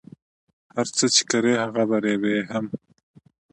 هر څه چی کری هغه به ریبی هم